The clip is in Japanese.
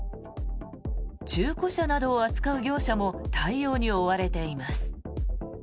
中古車などを扱う業者なども対応に追われています。